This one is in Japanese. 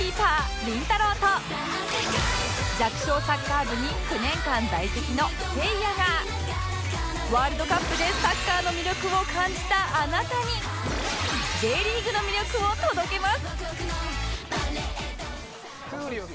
と弱小サッカー部に９年間在籍のせいやがワールドカップでサッカーの魅力を感じたあなたに Ｊ リーグの魅力を届けます